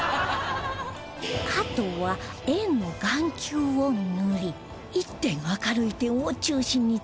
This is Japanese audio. あとは円の眼球を塗り一点明るい点を中心に作ると